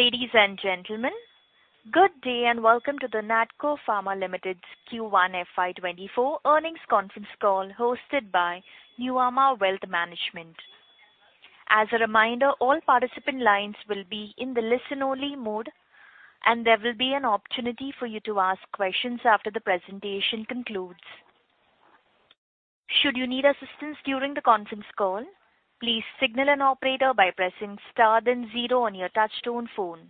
Ladies and gentlemen, good day, welcome to the NATCO Pharma Limited's Q1 FY 2024 earnings conference call, hosted by Nuvama Wealth Management. As a reminder, all participant lines will be in the listen only mode, there will be an opportunity for you to ask questions after the presentation concludes. Should you need assistance during the conference call, please signal an operator by pressing star then zero on your touch-tone phone.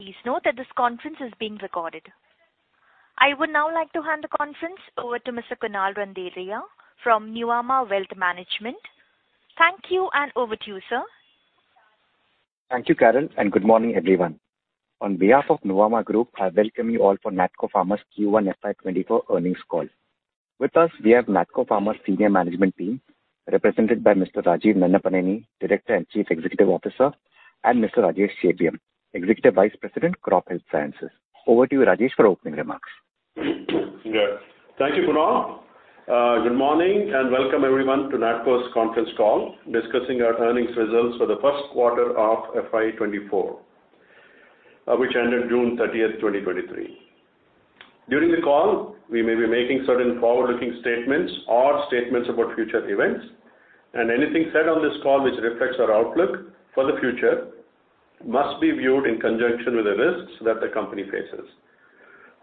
Please note that this conference is being recorded. I would now like to hand the conference over to Mr. Kunal Randeria from Nuvama Wealth Management. Thank you, over to you, sir. Thank you, Carol. Good morning, everyone. On behalf of Nuvama Group, I welcome you all for NATCO Pharma's Q1 FY 2024 earnings call. With us, we have NATCO Pharma's senior management team, represented by Mr. Rajeev Nannapaneni, Director and Chief Executive Officer, and Mr. Rajesh Chebiyam, Executive Vice President, Crop Health Sciences. Over to you, Rajesh, for opening remarks. Yeah. Thank you, Kunal. Good morning, and welcome everyone to NATCO's conference call, discussing our earnings results for the first quarter of FY 2024, which ended June 30th, 2023. During the call, we may be making certain forward-looking statements or statements about future events, anything said on this call which reflects our outlook for the future must be viewed in conjunction with the risks that the company faces.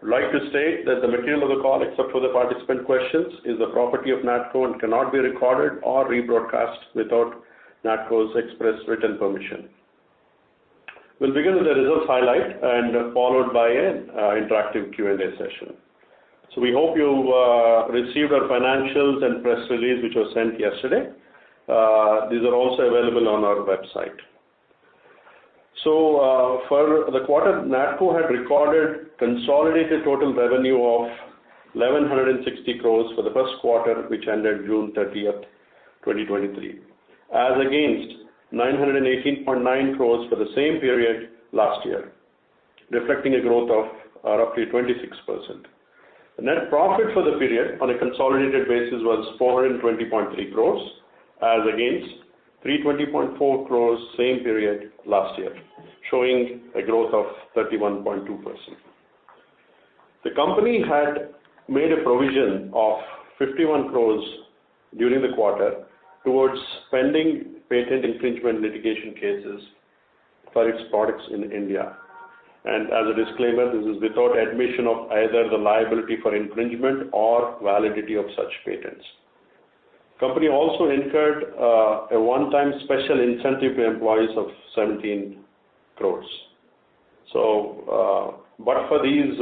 I'd like to state that the material of the call, except for the participant questions, is the property of NATCO and cannot be recorded or rebroadcast without NATCO's express written permission. We'll begin with the results highlight followed by an interactive Q&A session. We hope you received our financials and press release, which was sent yesterday. These are also available on our website. For the quarter, NATCO had recorded consolidated total revenue of 1,160 crore for the first quarter, which ended June 30th, 2023, as against 918.9 crore for the same period last year, reflecting a growth of roughly 26%. The net profit for the period on a consolidated basis was 420.3 crore, as against 320.4 crore, same period last year, showing a growth of 31.2%. The company had made a provision of 51 crore during the quarter towards pending patent infringement litigation cases for its products in India. As a disclaimer, this is without admission of either the liability for infringement or validity of such patents. Company also incurred a one-time special incentive to employees of 17 crore. For these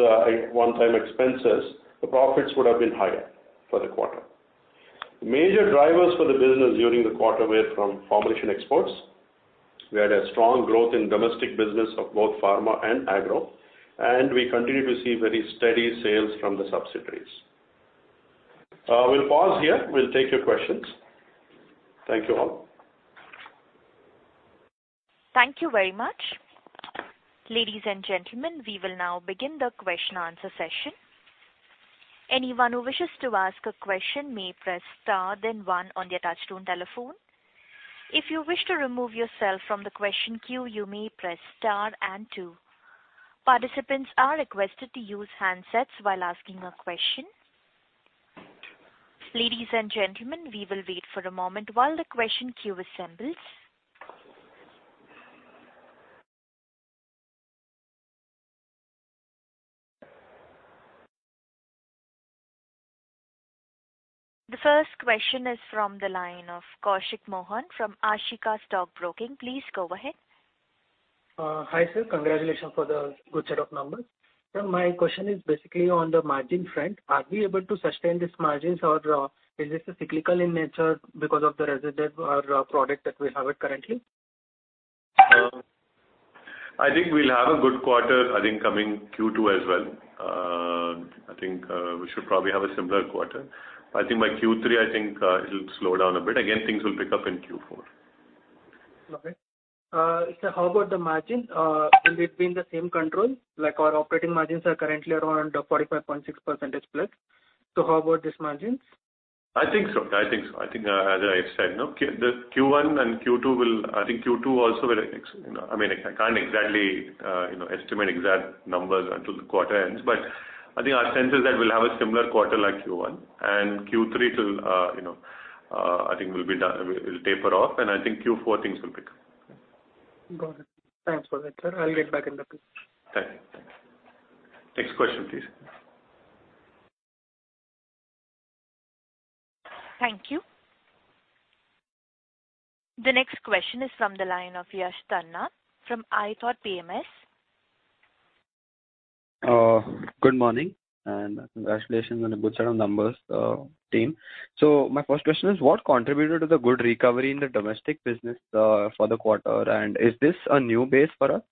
one-time expenses, the profits would have been higher for the quarter. Major drivers for the business during the quarter were from formulation exports. We had a strong growth in domestic business of both pharma and agro. We continue to see very steady sales from the subsidiaries. We'll pause here. We'll take your questions. Thank you, all. Thank you very much. Ladies and gentlemen, we will now begin the question-and -answer session. Anyone who wishes to ask a question may press star, then one on their touchtone telephone. If you wish to remove yourself from the question queue, you may press star and two. Participants are requested to use handsets while asking a question. Ladies and gentlemen, we will wait for a moment while the question queue assembles. The first question is from the line of Koushik Mohan from Ashika Stock Broking. Please go ahead. Hi, sir. Congratulations for the good set of numbers. Sir, my question is basically on the margin front. Are we able to sustain these margins, or, is this a cyclical in nature because of the residual or product that we have it currently? I think we'll have a good quarter, I think, coming Q2 as well. I think, we should probably have a similar quarter. I think by Q3, I think, it'll slow down a bit. Things will pick up in Q4. Okay. How about the margin? Will it be in the same control, like our operating margins are currently around 45.6% plus. How about this margin? I think so. I think so. I think, as I said, no, the Q1 and Q2 will... I think Q2 also will, you know, I mean, I can't exactly, you know, estimate exact numbers until the quarter ends, but I think our sense is that we'll have a similar quarter like Q1, and Q3 it'll, you know, I think we'll be done, it'll taper off, and I think Q4, things will pick up. Got it. Thanks for that, sir. I'll get back in the queue. Thank you. Next question, please. Thank you. The next question is from the line of Yash Tanna from iThought PMS. Good morning, and congratulations on the good set of numbers, team. My first question is, what contributed to the good recovery in the domestic business for the quarter, and is this a new base for us?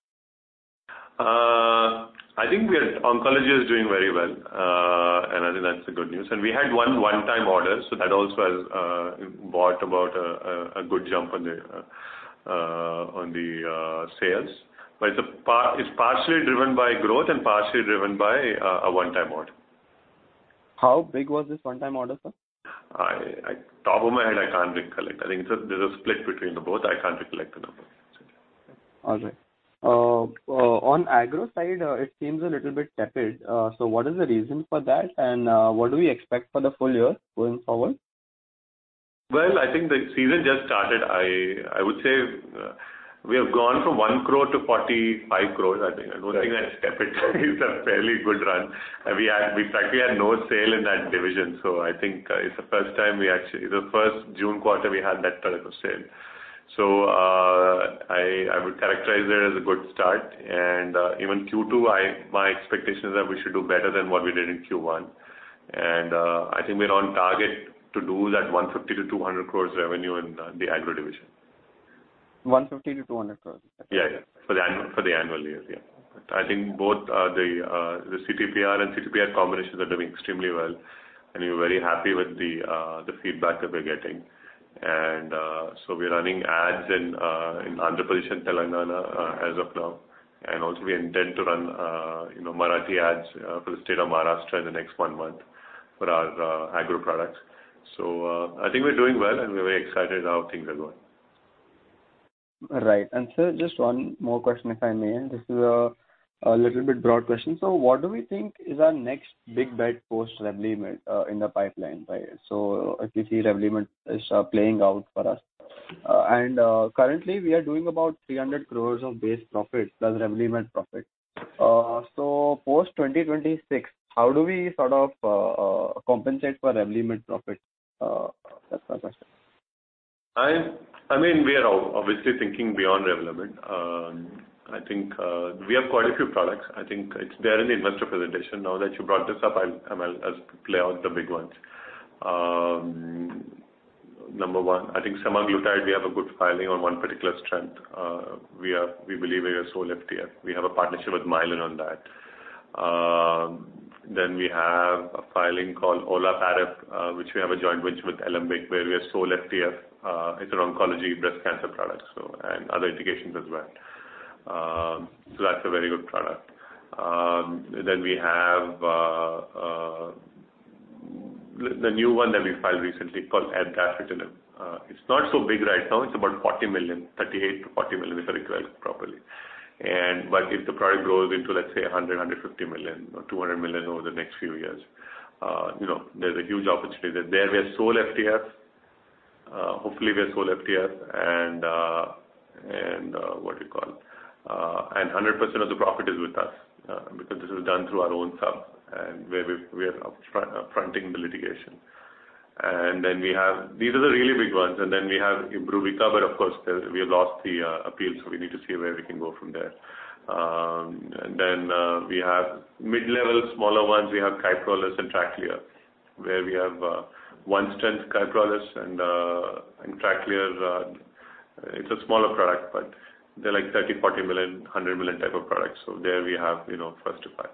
I think oncology is doing very well, and I think that's the good news. We had one one-time order, so that also has brought about a good jump on the sales. It's partially driven by growth and partially driven by a one-time order. How big was this one-time order, sir? I, I, top of my head, I can't recollect. I think it's a, there's a split between the both. I can't recollect the number. All right. On agro side, it seems a little bit tepid. What is the reason for that? What do we expect for the full year going forward? Well, I think the season just started. I, I would say, we have gone from 1 crore to 45 crores, I think. I don't think that's tepid. It's a fairly good run. We had, we practically had no sale in that division, so I think, it's the first time we actually. The first June quarter, we had that type of sale. I, I would characterize it as a good start, and, even Q2, I, my expectation is that we should do better than what we did in Q1. I think we're on target to do that 150-200 crores revenue in the, the agro division. One fifty to two hundred crores? Yeah, yeah. For the annual, for the annual year, yeah. I think both the Chlorantraniliprole and Chlorantraniliprole combinations are doing extremely well, and we're very happy with the feedback that we're getting. We're running ads in Andhra Pradesh and Telangana as of now. Also we intend to run, you know, Marathi ads for the state of Maharashtra in the next one month for our agro products. I think we're doing well, and we're very excited how things are going. Right. Sir, just one more question, if I may. This is a little bit broad question: What do we think is our next big bet post Revlimid in the pipeline, right? If we see Revlimid is playing out for us. Currently, we are doing about 300 crore of base profit, plus Revlimid profit. Post 2026, how do we sort of compensate for Revlimid profit? That's my question. I, I mean, we are obviously thinking beyond Revlimid. I think we have quite a few products. I think it's there in the investor presentation. Now that you brought this up, I'll, I'll lay out the big ones. Number one, I think semaglutide, we have a good filing on one particular strength. We are, we believe we are sole FDF. We have a partnership with Mylan on that. We have a filing called olaparib, which we have a joint venture with Alembic, where we are sole FDF. It's an oncology breast cancer product, and other indications as well. That's a very good product. We have the new one that we filed recently called edacabenatone. It's not so big right now. It's about $40 million, $38 million-$40 million, if I recall properly. But if the product grows into, let's say, $100 million-$150 million or $200 million over the next few years, you know, there's a huge opportunity that there we are sole FDF. Hopefully, we are sole FDF and, what do you call it? And 100% of the profit is with us, because this is done through our own sub, and where we, we are upfront, upfronting the litigation. Then we have. These are the really big ones, and then we have Ibru cover, of course. There's, we have lost the appeal, so we need to see where we can go from there. Then we have mid-level, smaller ones. We have Kyprolis and Pralia, where we have one strength, Kyprolis, and Pralia. It's a smaller product, but they're like $30 million, $40 million, $100 million type of products. There we have, you know, First to File.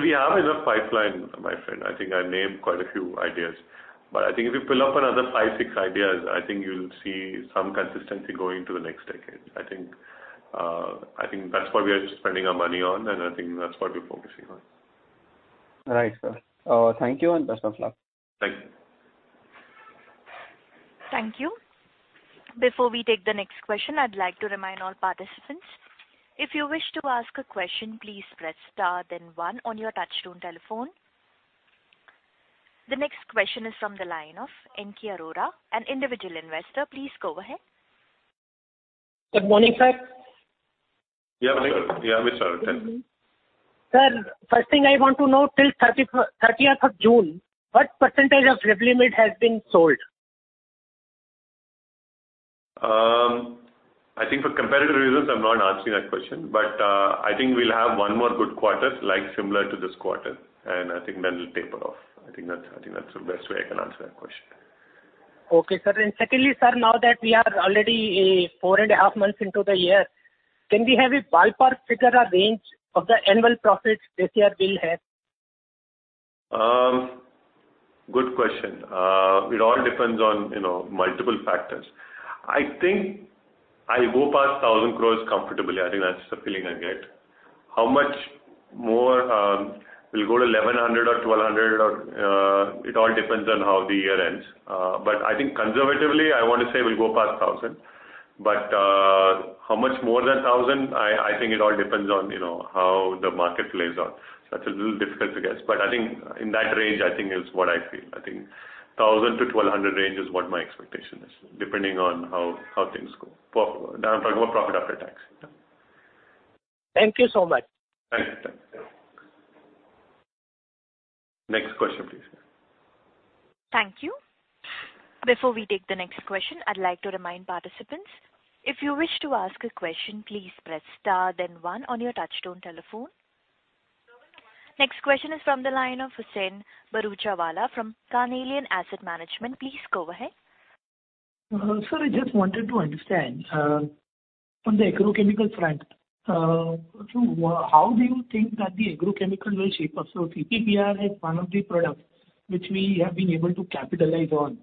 We have enough pipeline, my friend. I think I named quite a few ideas. I think if you pull up another five, six ideas, I think you'll see some consistency going into the next decade. I think that's what we are spending our money on, and I think that's what we're focusing on. Right, sir. Thank you, and best of luck. Thank you. Thank you. Before we take the next question, I'd like to remind all participants, if you wish to ask a question, please press star then one on your touchtone telephone. The next question is from the line of N.K. Arora, an individual investor. Please go ahead. Good morning, sir. Yeah, yeah, sir. Tell me. Sir, first thing I want to know, till 30th of June, what % of Revlimid has been sold? I think for competitive reasons, I'm not answering that question. I think we'll have one more good quarter, like, similar to this quarter, and I think that will taper off. I think that's, I think that's the best way I can answer that question. Okay, sir. Secondly, sir, now that we are already, 4.5 months into the year, can we have a ballpark figure or range of the annual profits this year will have? Good question. It all depends on, you know, multiple factors. I think I go past 1,000 crore comfortably. I think that's the feeling I get. How much more will go to 1,100 crore or 1,200 crore, it all depends on how the year ends. I think conservatively, I want to say we'll go past 1,000 crore. How much more than 1,000 crore? I think it all depends on, you know, how the market plays out. That's a little difficult to guess. I think in that range, I think is what I feel. I think 1,000 crore-1,200 crore range is what my expectation is, depending on how things go for... Now, I'm talking about profit after tax. Thank you so much. Thank you. Thank you. Next question, please. Thank you. Before we take the next question, I'd like to remind participants, if you wish to ask a question, please press star then one on your touchtone telephone. Next question is from the line of Husain Bharucha from Carnelian Asset Management. Please go ahead. Sir, I just wanted to understand, on the agrochemical front, how do you think that the agrochemical will shape up? Chlorantraniliprole is one of the products which we have been able to capitalize on.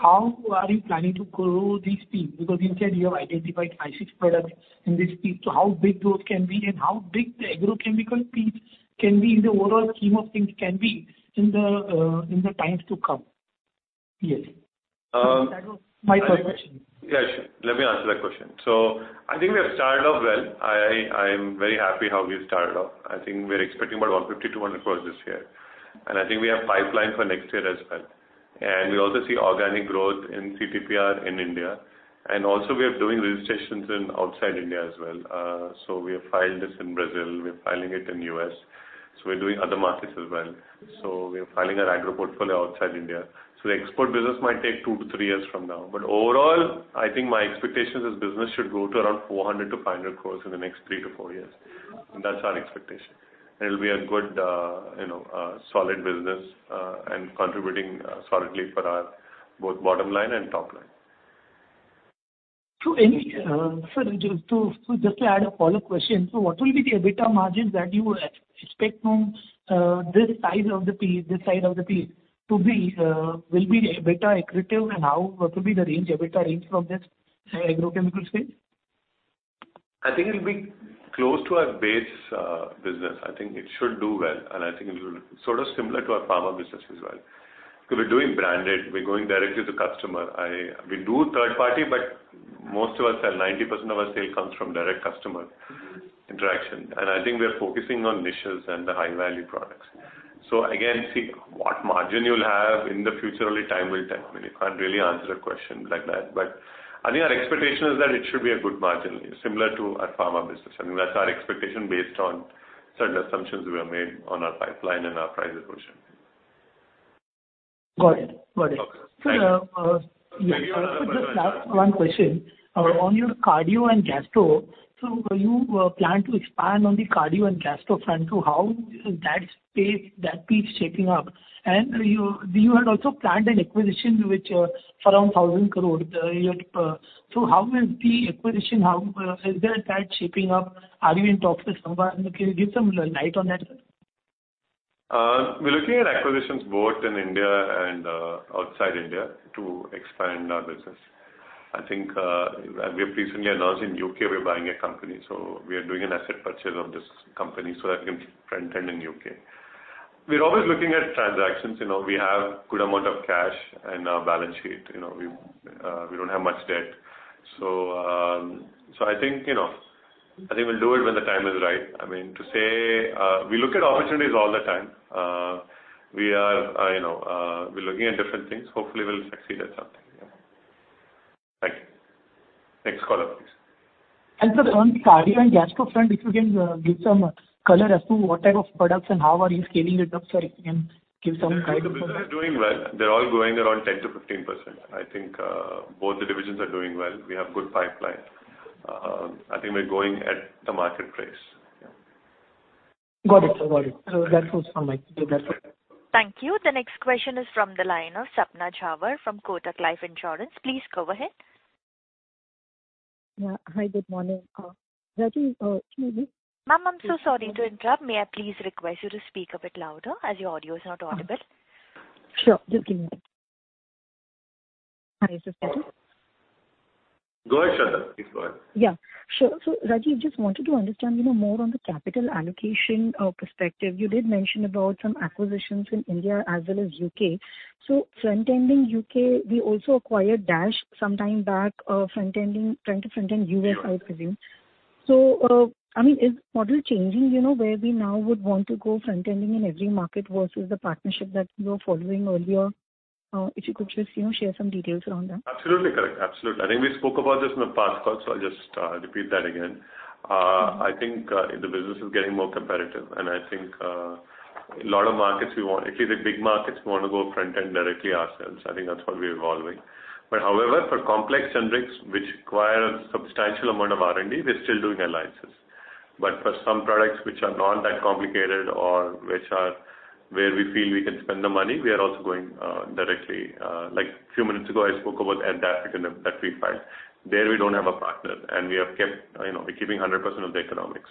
How are you planning to grow this piece? You said you have identified 5, 6 products in this piece. How big those can be, and how big the agrochemical piece can be in the overall scheme of things can be in the times to come? Yes. Uh- That was my first question. Yeah, sure. Let me answer that question. I think we have started off well. I, I'm very happy how we've started off. I think we're expecting about 150-200 crore this year, and I think we have pipeline for next year as well. We also see organic growth in Chlorantraniliprole in India, and also we are doing registrations in outside India as well. We have filed this in Brazil, we're filing it in U.S., we're doing other markets as well. We are filing our agro portfolio outside India. The export business might take 2-3 years from now. Overall, I think my expectation is this business should grow to around 400-500 crore in the next 3-4 years. That's our expectation. It'll be a good, you know, solid business, and contributing solidly for our both bottom line and top line. any, so just to just to add a follow-up question, so what will be the EBITDA margins that you expect from this side of the piece, this side of the piece to be? Will be EBITDA accretive, and how, what will be the range, EBITDA range from this agrochemicals space? I think it'll be close to our base business. I think it should do well, and I think it will be sort of similar to our pharma business as well. We're doing branded, we're going directly to customer. We do third party, but most of our sale, 90% of our sale comes from direct customer interaction, and I think we are focusing on niches and the high value products. Again, see, what margin you'll have in the future, only time will tell. I mean, I can't really answer a question like that. I think our expectation is that it should be a good margin, similar to our pharma business. I mean, that's our expectation based on certain assumptions we have made on our pipeline and our price approach. Got it. Got it. Okay. So, uh, uh, And Just one question. On your cardio and gastro, you plan to expand on the cardio and gastro front, how that space, that piece shaping up? You, you had also planned an acquisition which for around 1,000 crore, how is the acquisition, how is that shaping up? Are you in talks with someone? Can you give some light on that? We're looking at acquisitions both in India and outside India to expand our business. I think, we have recently announced in UK, we're buying a company, so we are doing an asset purchase of this company so that we can front-end in UK. We're always looking at transactions, you know, we have good amount of cash in our balance sheet, you know, we don't have much debt. I think, you know, I think we'll do it when the time is right. I mean, to say, we look at opportunities all the time. We are, you know, we're looking at different things. Hopefully, we'll succeed at something. Yeah. Thank you. Next caller, please. Sir, on the cardio and gastro front, if you can give some color as to what type of products and how are you scaling it up, sir, if you can give some guidance? The business is doing well. They're all growing around 10%-15%. I think, both the divisions are doing well. We have good pipeline. I think we're going at the market pace. Yeah. Got it, sir. Got it. That was my Thank you. The next question is from the line of Sapna Jhawar from Kotak Life Insurance. Please go ahead. Yeah. Hi, good morning. Rajeev, can you hear me? Ma'am, I'm so sorry to interrupt. May I please request you to speak a bit louder, as your audio is not audible? Sure, just give me a minute. Hi, is this better? Go ahead, Sapna. Please go ahead. Yeah, sure. Rajeev, just wanted to understand, you know, more on the capital allocation perspective. You did mention about some acquisitions in India as well as UK. Front-ending UK, we also acquired DASH sometime back, front-ending, trying to front-end US, I presume. I mean, is model changing, you know, where we now would want to go front-ending in every market versus the partnership that you were following earlier? If you could just, you know, share some details around that. Absolutely correct. Absolutely. I think we spoke about this in the past call, so I'll just repeat that again. I think the business is getting more competitive, and I think a lot of markets we want-- at least the big markets, we want to go front-end directly ourselves. I think that's what we're evolving. However, for complex generics, which require a substantial amount of R&D, we're still doing alliances. For some products which are not that complicated or which are where we feel we can spend the money, we are also going directly. Like few minutes ago, I spoke about Adaptic that, that we filed. There, we don't have a partner, and we have kept, you know, we're keeping 100% of the economics.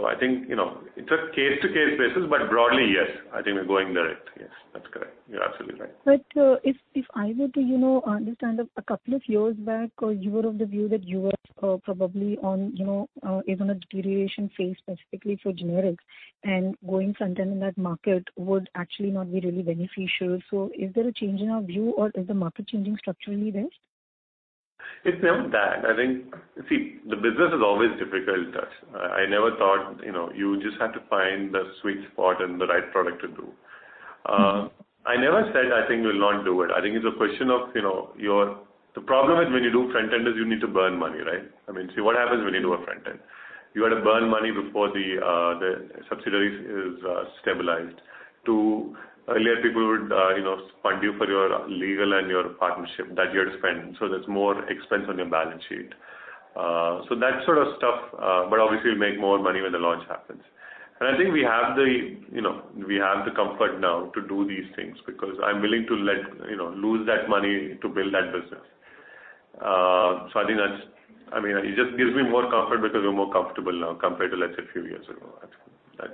I think, you know, it's a case-to-case basis, but broadly, yes, I think we're going direct. Yes, that's correct. You're absolutely right. If, if I were to, you know, understand a couple of years back, you were of the view that you were probably on, you know, even a deterioration phase specifically for generics, and going front-end in that market would actually not be really beneficial. Is there a change in our view, or is the market changing structurally there? It's never that. I think, see, the business is always difficult. I, I never thought, you know, you just had to find the sweet spot and the right product to do. I never said I think we'll not do it. I think it's a question of, you know, your... The problem is when you do front-end is you need to burn money, right? I mean, see, what happens when you do a front-end? You got to burn money before the subsidiary is stabilized. Two, earlier people would, you know, fund you for your legal and your partnership, that you had to spend, so there's more expense on your balance sheet. That sort of stuff, but obviously you make more money when the launch happens. I think we have the, you know, we have the comfort now to do these things, because I'm willing to let, you know, lose that money to build that business. I think that's, I mean, it just gives me more comfort because we're more comfortable now compared to, let's say, a few years ago. That's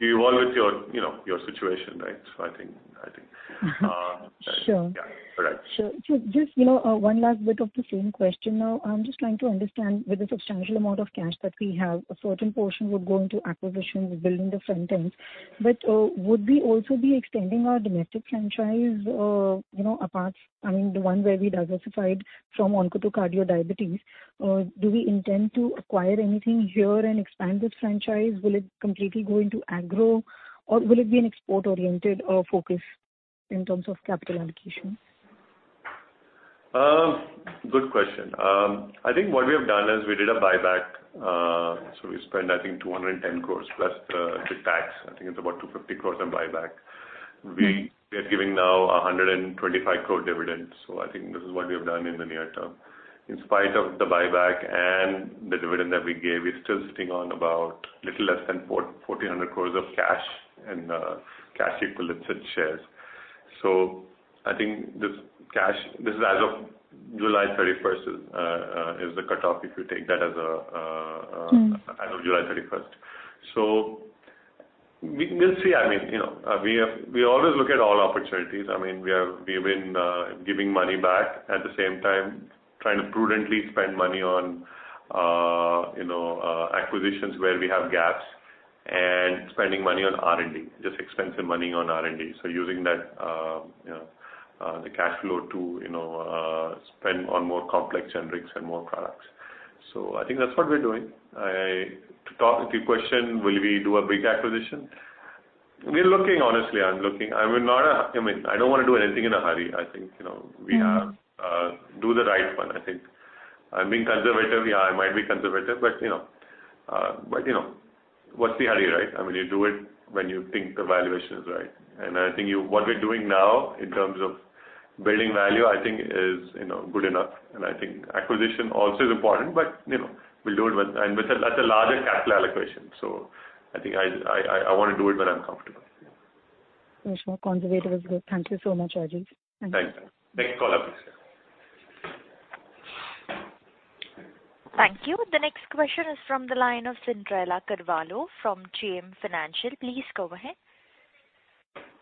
you evolve with your, you know, your situation, right? I think, I think. Sure. Yeah. All right. Sure. Just, you know, one last bit of the same question now. I'm just trying to understand with the substantial amount of cash that we have, a certain portion would go into acquisitions, building the front ends. Would we also be extending our domestic franchise or, you know, apart, I mean, the one where we diversified from onco to cardio diabetes, do we intend to acquire anything here and expand this franchise? Will it completely go into agro, or will it be an export-oriented, focus in terms of capital allocation? Good question. I think what we have done is we did a buyback, so we spent, I think, 210 crore, plus, the tax. I think it's about 250 crore on buyback. We- Mm-hmm. we are giving now 125 crore dividends. I think this is what we have done in the near term. In spite of the buyback and the dividend that we gave, we're still sitting on about little less than 1,400 crore of cash and cash equivalents and shares. I think this cash, this is as of July 31st, is the cutoff, if you take that as a. Mm-hmm as of July 31st. We, we'll see. I mean, you know, we have... We always look at all opportunities. I mean, we have, we've been giving money back, at the same time, trying to prudently spend money on, you know, acquisitions where we have gaps, and spending money on R&D, just expensive money on R&D. Using that, you know, the cash flow to, you know, spend on more complex generics and more products. I think that's what we're doing. I, to talk with your question, will we do a big acquisition? We're looking, honestly, I'm looking. I would not, I mean, I don't want to do anything in a hurry. I think, you know- Mm-hmm. we have, do the right one, I think. I'm being conservative. Yeah, I might be conservative, but, you know, but, you know, what's the hurry, right? I mean, you do it when you think the valuation is right. I think what we're doing now in terms of building value, I think is, you know, good enough. I think acquisition also is important, but, you know, we'll do it when... With a, that's a larger capital allocation. I think I, I, I want to do it when I'm comfortable. Yes, more conservative is good. Thank you so much, Ajit. Thank you. Next caller, please. Thank you. The next question is from the line of Cyndrella Carvalho from JM Financial. Please go ahead.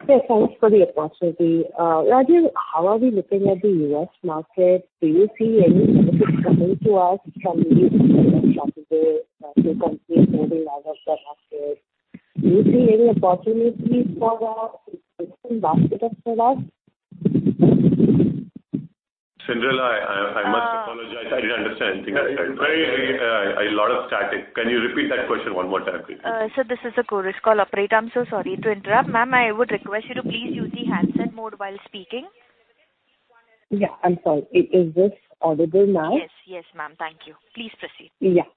Yes, thanks for the opportunity. Rajeev, how are we looking at the U.S. market? Do you see any benefits coming to us from the Do you see any opportunities for the for us? Cyndrella, I, I, I must apologize. Uh. I didn't understand anything I said. Very, very, a lot of static. Can you repeat that question one more time, please? Sir, this is a chorus call operator. I'm so sorry to interrupt. Ma'am, I would request you to please use the handset mode while speaking. Yeah, I'm sorry. Is this audible now? Yes. Yes, ma'am. Thank you. Please proceed. Yeah.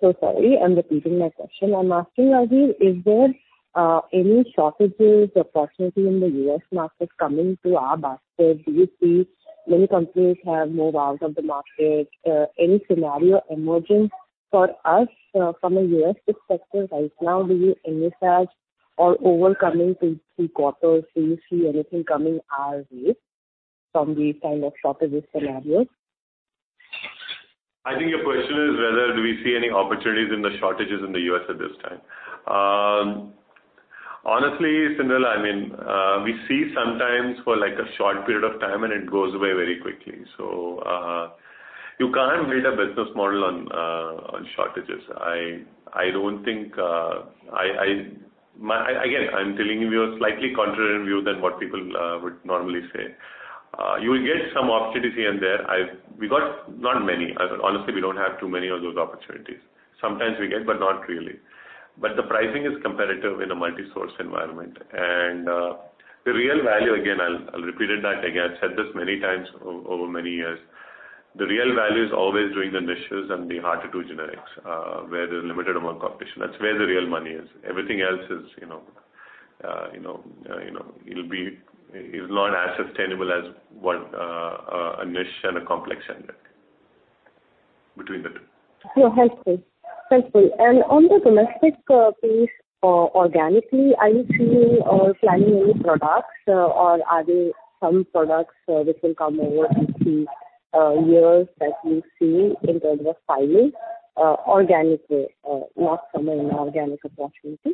Sorry, I'm repeating my question. I'm asking, Ajit, is there any shortages or opportunity in the U.S. market coming to our basket? Do you see many companies have moved out of the market? Any scenario emerging for us from a U.S. perspective right now? Do you envisage or overcoming 3, 3 quarters, do you see anything coming our way from these kind of shortages scenarios? I think your question is whether do we see any opportunities in the shortages in the U.S. at this time? Honestly, Cyndrella, I mean, we see sometimes for like a short period of time, and it goes away very quickly. You can't build a business model on shortages. I, I don't think, I, I... My, again, I'm telling you a slightly contrarian view than what people would normally say. You will get some opportunities here and there. We got not many. Honestly, we don't have too many of those opportunities. Sometimes we get, but not really. The pricing is competitive in a multi-source environment. The real value, again, I'll, I'll repeat that again. I've said this many times over many years. The real value is always doing the niches and the hard-to-do generics, where there's limited amount of competition. That's where the real money is. Everything else is, you know, you know, you know, is not as sustainable as what a niche and a complex generic. Between the two. Sure, helpful. Thank you. On the domestic piece, organically, are you seeing or planning any products, or are there some products, which will come over the years that we see in terms of filing, organically, not some inorganic opportunity?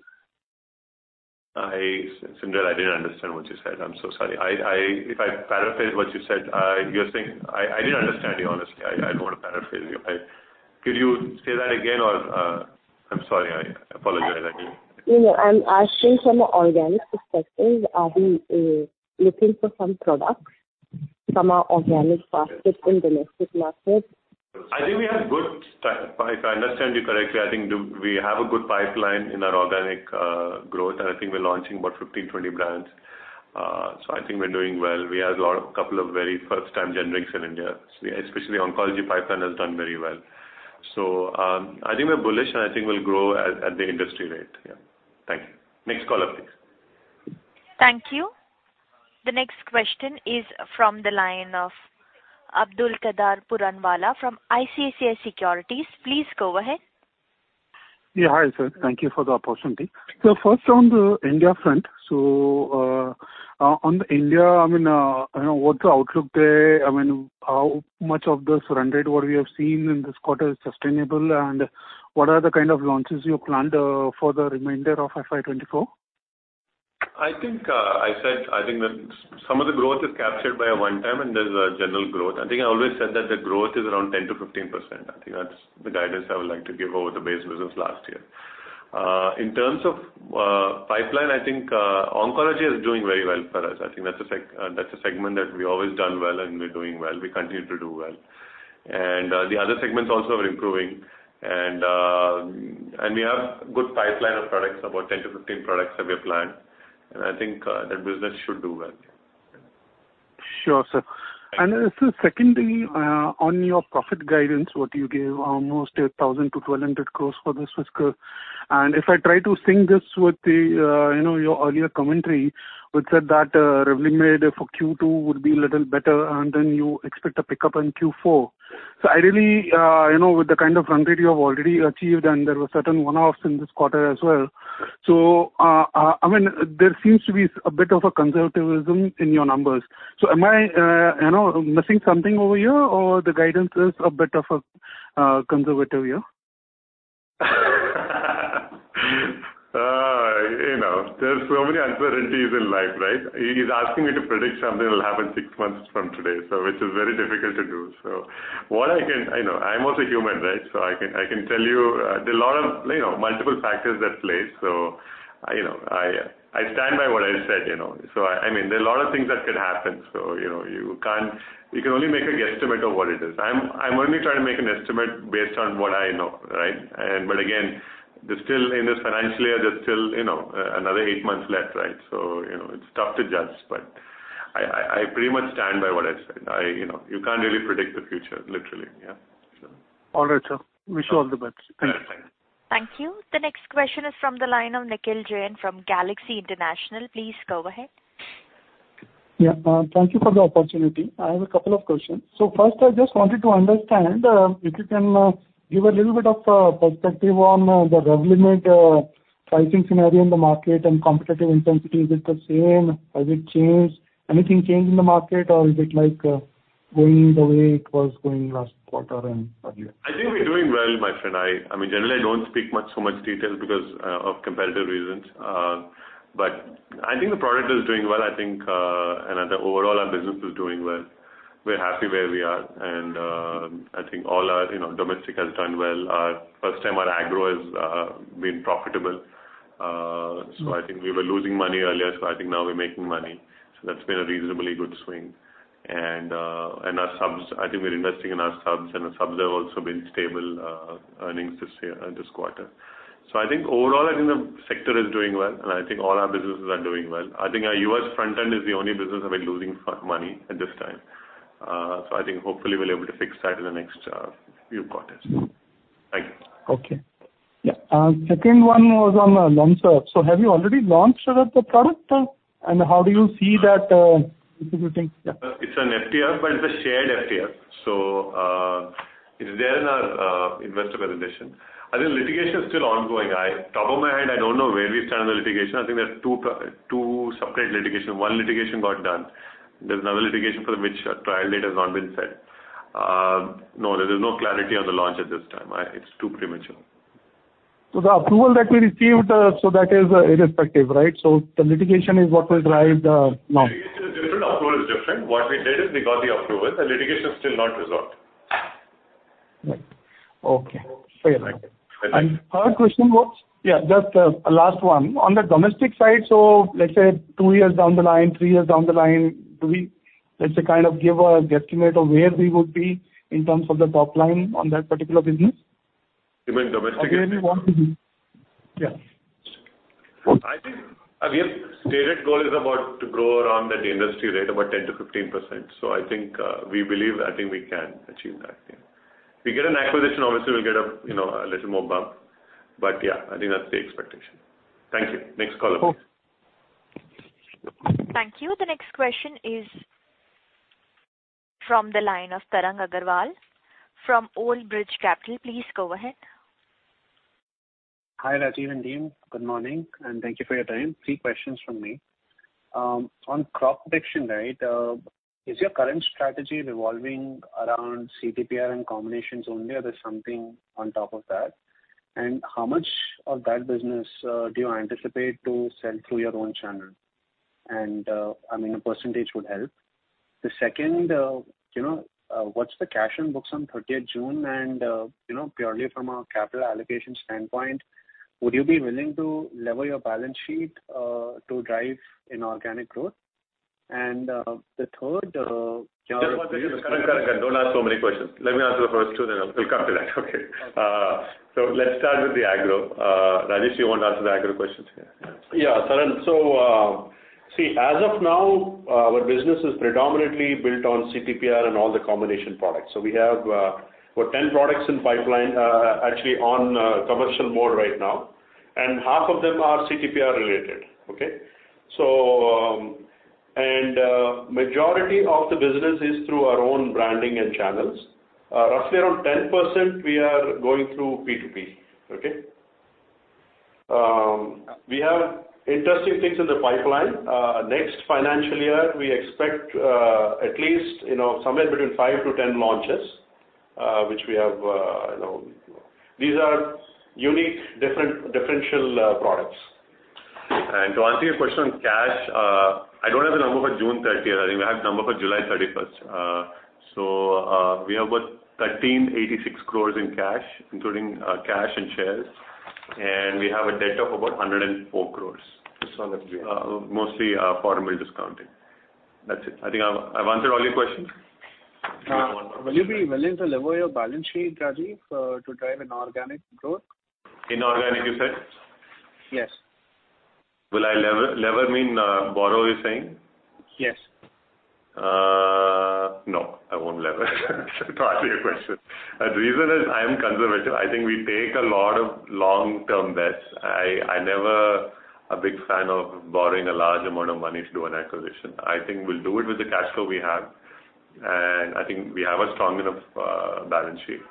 I, Cyndrella, I didn't understand what you said. I'm so sorry. I, I, if I paraphrase what you said, you're saying... I, I didn't understand you, honestly. I, I don't want to paraphrase you. I, could you say that again or, I'm sorry, I apologize again? You know, I'm asking from an organic perspective, are we looking for some products from our organic basket in domestic markets? I think we have good If I understand you correctly, I think, we have a good pipeline in our organic growth, and I think we're launching about 15, 20 brands. I think we're doing well. We have a lot of, couple of very first-time generics in India, especially oncology pipeline has done very well. I think we're bullish, and I think we'll grow at, at the industry rate. Yeah. Thank you. Next caller, please. Thank you. The next question is from the line of Abdulkader Puranwala from ICICI Securities. Please go ahead.... Yeah. Hi, sir. Thank you for the opportunity. First on the India front. On the India, I mean, you know, what's the outlook there? I mean, how much of this run rate, what we have seen in this quarter, is sustainable, and what are the kind of launches you planned for the remainder of FY 2024? I think, I said I think that some of the growth is captured by a one-time, and there's a general growth. I think I always said that the growth is around 10%-15%. I think that's the guidance I would like to give over the base business last year. In terms of pipeline, I think, oncology is doing very well for us. I think that's a segment that we've always done well, and we're doing well. We continue to do well. The other segments also are improving, and we have good pipeline of products. About 10-15 products have we planned, and I think, that business should do well. Sure, sir. Sir, secondly, on your profit guidance, what you gave almost 1,000-1,200 crore for this fiscal. If I try to sync this with the, you know, your earlier commentary, which said that Revlimid for Q2 would be a little better, and then you expect a pickup in Q4. Ideally, you know, with the kind of run rate you have already achieved, and there were certain one-offs in this quarter as well. I mean, there seems to be a bit of a conservatism in your numbers. Am I, you know, missing something over here, or the guidance is a bit of a conservative here? You know, there's so many uncertainties in life, right? He's asking me to predict something that will happen six months from today. Which is very difficult to do. What I can... I know, I'm also human, right? I can, I can tell you, there are a lot of, you know, multiple factors at play. You know, I, I stand by what I said, you know. I, I mean, there are a lot of things that could happen. You know, you can't. You can only make a guesstimate of what it is. I'm, I'm only trying to make an estimate based on what I know, right? But again, there's still in this financial year, there's still, you know, another eight months left, right? You know, it's tough to judge, but I, I, I pretty much stand by what I said. I... You know, you can't really predict the future, literally. Yeah, so. All right, sir. Wish you all the best. Thank you. Thank you. Thank you. The next question is from the line of Nikhil Jain from Galaxy International. Please go ahead. Yeah, thank you for the opportunity. I have a couple of questions. First, I just wanted to understand, if you can give a little bit of perspective on the Revlimid pricing scenario in the market and competitive intensity. Is it the same? Has it changed? Anything changed in the market, or is it like going the way it was going last quarter and earlier? I think we're doing well, my friend. I mean, generally, I don't speak much, so much details because of competitive reasons. I think the product is doing well, I think, and overall, our business is doing well. We're happy where we are, and I think all our, you know, domestic has done well. Our first time, our agro has been profitable. So I think we were losing money earlier, so I think now we're making money. That's been a reasonably good swing. Our subs, I think we're investing in our subs, and the subs have also been stable earnings this year, this quarter. I think overall, I think the sector is doing well, and I think all our businesses are doing well. I think our U.S. front end is the only business we're losing money at this time. I think hopefully we'll be able to fix that in the next few quarters. Thank you. Okay. Yeah, second one was on Nonsu. Have you already launched the product, and how do you see that distributing? Yeah. It's an FTR, but it's a shared FTR. It is there in our investor presentation. I think litigation is still ongoing. I, top of my head, I don't know where we stand on the litigation. I think there are two separate litigation. One litigation got done. There's another litigation for which a trial date has not been set. No, there is no clarity on the launch at this time. I... It's too premature. The approval that we received, so that is, irrespective, right? The litigation is what will drive the launch. Litigation is different, approval is different. What we did is we got the approval. The litigation is still not resolved. Right. Okay. Fair enough. Thank you. Third question was... Yeah, just, last one. On the domestic side, let's say two years down the line, three years down the line, do we, let's say, kind of give a guesstimate of where we would be in terms of the top line on that particular business? You mean domestically? Yeah. I think our stated goal is about to grow around at the industry rate, about 10%-15%. I think, we believe, I think we can achieve that, yeah. If we get an acquisition, obviously, we'll get a, you know, a little more bump. Yeah, I think that's the expectation. Thank you. Next caller. Thank you. The next question is from the line of Tarang Agrawal from Old Bridge Capital. Please go ahead. Hi, Rajeev and team. Good morning, and thank you for your time. 3 questions from me. On crop protection, right, is your current strategy revolving around Chlorantraniliprole and combinations only, or there's something on top of that? How much of that business, do you anticipate to sell through your own channel? I mean, a percentage would help. The second, you know, what's the cash on books on 30th June? Purely from a capital allocation standpoint, would you be willing to lever your balance sheet to drive inorganic growth? The third- Don't ask so many questions. Let me answer the first two, then I'll come to that. Okay, let's start with the agro. Rajesh, you want to answer the agro questions? Yeah, Tarang, see, as of now, our business is predominantly built on Chlorantraniliprole and all the combination products. We have about 10 products in pipeline, actually, on commercial mode right now, and half of them are Chlorantraniliprole related. Okay? Majority of the business is through our own branding and channels. Roughly around 10%, we are going through P2P, okay? We have interesting things in the pipeline. Next financial year, we expect, at least, you know, somewhere between 5-10 launches, which we have, you know... These are unique, different, differential products. To answer your question on cash, I don't have the number for June 30th. I think we have the number for July 31st. So, we have about 1,386 crore in cash, including cash and shares, and we have a debt of about 104 crore. That's all that we have. Mostly, foreign discounted. That's it. I think I've, I've answered all your questions? Will you be willing to lever your balance sheet, Rajeev, to drive inorganic growth? Inorganic, you said? Yes. Will I lever? Lever mean, borrow, you're saying? Yes. No, I won't lever. To answer your question. The reason is I'm conservative. I think we take a lot of long-term bets. I, I never a big fan of borrowing a large amount of money to do an acquisition. I think we'll do it with the cash flow we have, and I think we have a strong enough balance sheet.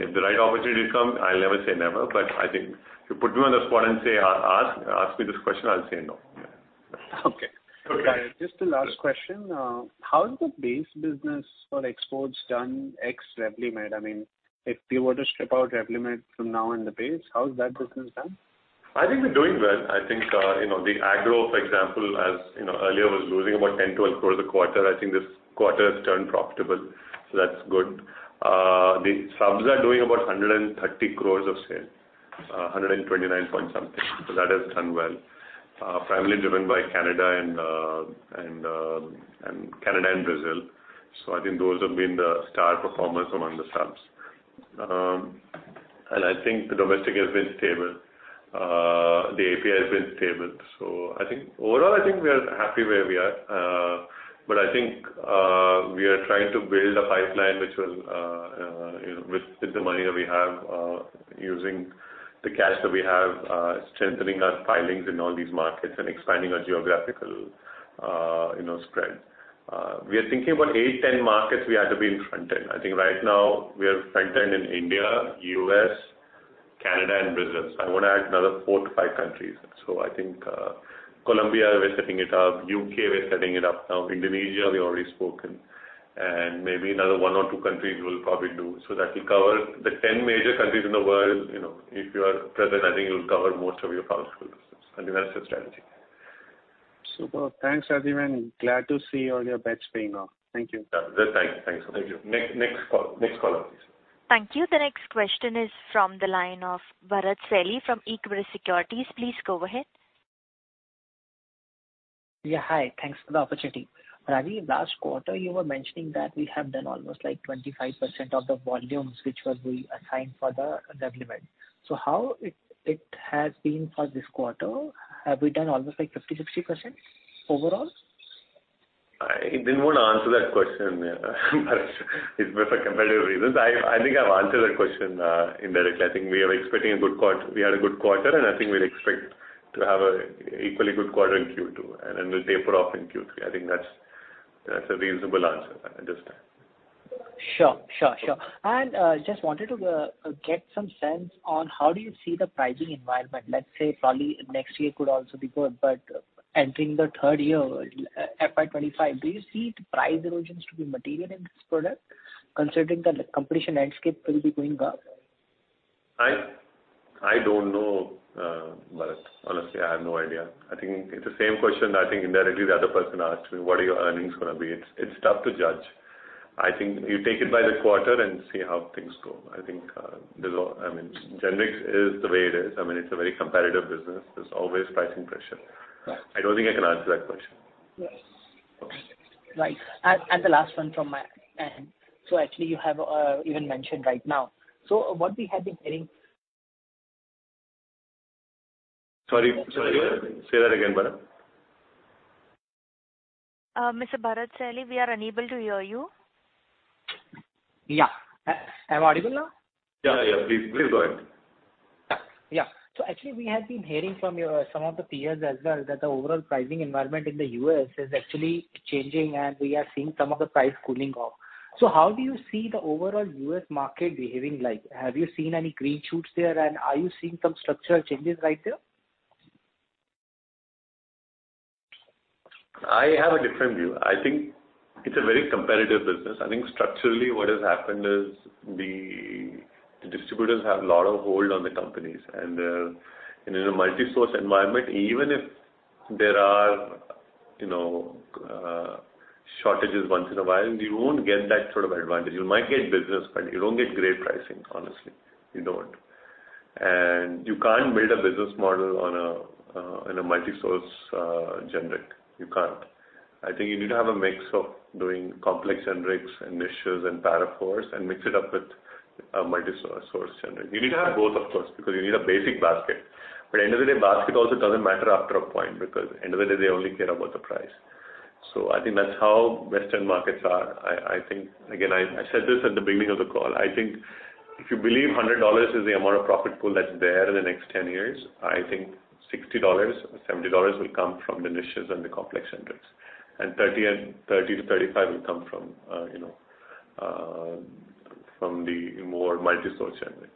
If the right opportunity comes, I'll never say never, but I think you put me on the spot and say, ask, ask me this question, I'll say no. Okay. Just the last question. How is the base business for exports done ex Revlimid? I mean, if you were to strip out Revlimid from now in the base, how is that business done? I think we're doing well. I think, you know, the agro, for example, as you know, earlier, was losing about 10-12 crore a quarter. I think this quarter has turned profitable, so that's good. The subs are doing about 130 crore of sales, 129 point something, so that has done well. Primarily driven by Canada and, and, and Canada and Brazil. I think those have been the star performers among the subs. And I think the domestic has been stable. The API has been stable. I think... Overall, I think we are happy where we are, I think we are trying to build a pipeline which will, with the money that we have, using the cash that we have, strengthening our filings in all these markets and expanding our geographical, you know, spread. We are thinking about 8, 10 markets we have to be in front end. I think right now, we are front end in India, U.S., Canada, and Brazil. I want to add another 4 to 5 countries. I think, Colombia, we're setting it up. U.K., we're setting it up now. Indonesia, we've already spoken. Maybe another 1 or 2 countries we'll probably do. That will cover the 10 major countries in the world, you know. If you are present, I think you'll cover most of your pharmaceutical business, I think that's the strategy. Super. Thanks, Rajeev, and glad to see all your bets paying off. Thank you. Yeah, thanks. Thanks. Thank you. Next, next call, next caller, please. Thank you. The next question is from the line of Bharat Celly from Equirus Securities. Please go ahead. Yeah, hi. Thanks for the opportunity. Rajeev, last quarter, you were mentioning that we have done almost like 25% of the volumes, which were we assigned for the Revlimid. How it has been for this quarter? Have we done almost like 50%, 60% overall? I didn't want to answer that question, Bharat, it's for competitive reasons. I think I've answered that question, indirectly. I think we are expecting a good quarter, we had a good quarter. I think we'd expect to have a equally good quarter in Q2. We'll taper off in Q3. I think that's, that's a reasonable answer at this time. Sure, sure, sure. Just wanted to get some sense on how do you see the pricing environment? Let's say, probably next year could also be good, but entering the 3rd year, FY 2025, do you see the price erosions to be material in this product, considering that the competition landscape will be going up? I, I don't know, Bharat. Honestly, I have no idea. I think it's the same question I think indirectly the other person asked me: What are your earnings gonna be? It's, it's tough to judge. I think you take it by the quarter and see how things go. I think I mean, generics is the way it is. I mean, it's a very competitive business. There's always pricing pressure. Right. I don't think I can answer that question. Yes. Right. and the last one from my end. actually, you have even mentioned right now. what we have been hearing- Sorry, say that again, Bharat. Mr. Bharat Celly, we are unable to hear you. Yeah. Am I audible now? Yeah, yeah, please, please go ahead. Yeah. Actually, we have been hearing from your, some of the peers as well, that the overall pricing environment in the U.S. is actually changing, and we are seeing some of the price cooling off. How do you see the overall U.S. market behaving like? Have you seen any green shoots there, and are you seeing some structural changes right there? I have a different view. I think it's a very competitive business. I think structurally, what has happened is the, the distributors have a lot of hold on the companies, and in a multi-source environment, even if there are, you know, shortages once in a while, you won't get that sort of advantage. You might get business, but you don't get great pricing, honestly. You don't. You can't build a business model on a in a multi-source generic. You can't. I think you need to have a mix of doing complex generics, and niches, and Para IVs, and mix it up with a multi-source generic. You need to have both, of course, because you need a basic basket. End of the day, basket also doesn't matter after a point, because end of the day, they only care about the price. I think that's how Western markets are. I, I think, again, I, I said this at the beginning of the call. I think if you believe $100 is the amount of profit pool that's there in the next 10 years, I think $60, $70 will come from the niches and the complex generics. $30-$35 will come from, you know, from the more multi-source generic.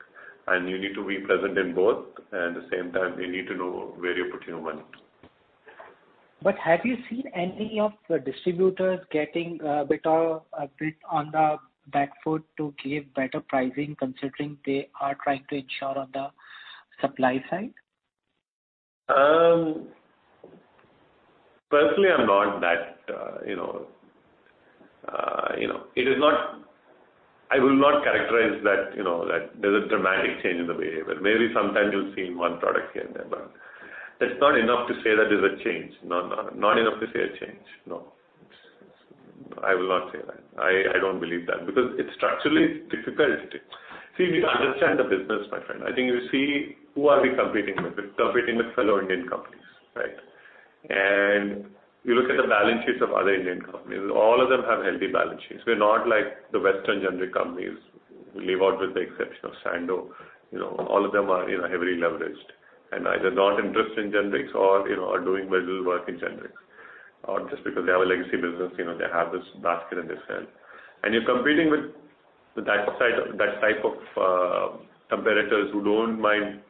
You need to be present in both, and the same time, you need to know where you're putting your money. Have you seen any of the distributors getting a bit on the back foot to give better pricing, considering they are trying to ensure on the supply side? Personally, I'm not that, you know, you know, I will not characterize that, you know, that there's a dramatic change in the behavior. Maybe sometimes you'll see one product here and there, but that's not enough to say that there's a change. No, not, not enough to say a change. No. I will not say that. I, I don't believe that, because it's structurally difficult. See, if you understand the business, my friend, I think you see who are we competing with? We're competing with fellow Indian companies, right? You look at the balance sheets of other Indian companies, all of them have healthy balance sheets. We're not like the Western generic companies, we leave out with the exception of Sandoz. You know, all of them are, you know, heavily leveraged and either not interested in generics or, you know, are doing minimal work in generics. Just because they have a legacy business, you know, they have this basket in their cell. You're competing with the type of side, that type of, competitors who don't mind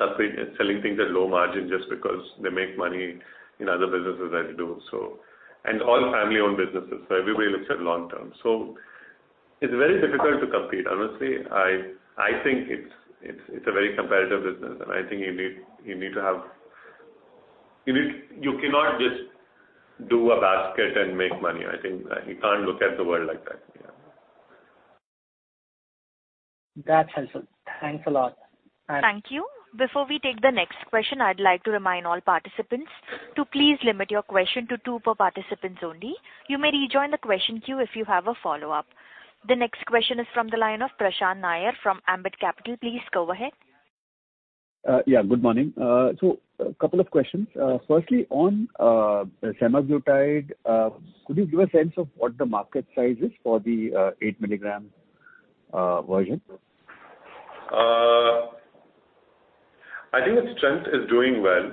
selling things at low margin just because they make money in other businesses as you do, so. All family-owned businesses, so everybody looks at long term. It's very difficult to compete. Honestly, I, I think it's, it's, it's a very competitive business, and I think you need, you need to have. You cannot just do a basket and make money. I think, you can't look at the world like that. That's helpful. Thanks a lot. Thank you. Before we take the next question, I'd like to remind all participants to please limit your question to 2 per participants only. You may rejoin the question queue if you have a follow-up. The next question is from the line of Prashant Nair, from Ambit Capital. Please go ahead. Yeah, good morning. A couple of questions. Firstly, on semaglutide, could you give a sense of what the market size is for the 8 milligram version? I think its strength is doing well.